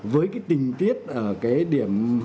với cái tình tiết ở cái điểm